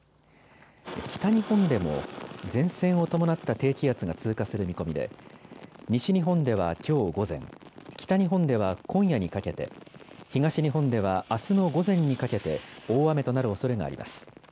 北日本でも、前線を伴った低気圧が通過する見込みで、西日本ではきょう午前、北日本では今夜にかけて、東日本ではあすの午前にかけて、大雨となるおそれがあります。